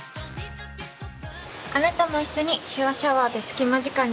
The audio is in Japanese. あなたも一緒に「手話シャワー」で隙間時間に勉強しませんか？